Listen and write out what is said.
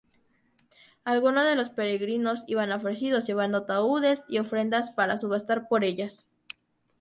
Algunos de los peregrinos iban ofrecidos, llevando ataúdes y ofrendas para subastar por ellas.